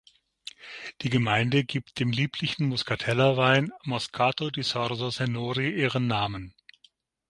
Die Gemeinde gibt dem lieblichen Muskateller- Wein Moscato di Sorso-Sennori ihren Namen.